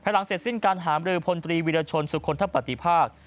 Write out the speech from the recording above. หลังเสร็จสิ้นการหามรือพลตรีวิรชนสุคลทะปฏิภาค